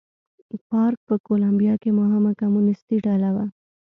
فارک په کولمبیا کې مهمه کمونېستي ډله وه.